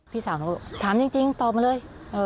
พี่สาวถามจริงตอบมาเลย